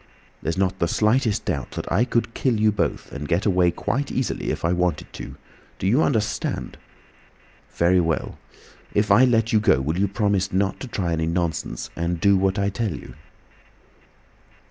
There's not the slightest doubt that I could kill you both and get away quite easily if I wanted to—do you understand? Very well. If I let you go will you promise not to try any nonsense and do what I tell you?"